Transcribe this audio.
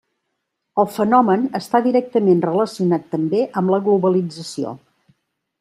El fenomen està directament relacionat també amb la globalització.